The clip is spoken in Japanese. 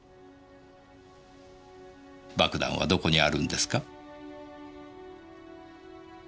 爆弾はどこにあるんですか？